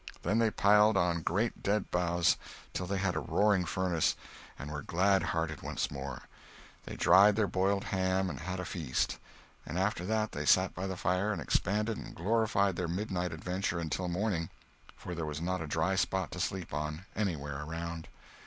Then they piled on great dead boughs till they had a roaring furnace, and were gladhearted once more. They dried their boiled ham and had a feast, and after that they sat by the fire and expanded and glorified their midnight adventure until morning, for there was not a dry spot to sleep on, anywhere around.